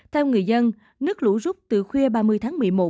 theo người dân nước lũ rút từ khuya ba mươi tháng một mươi một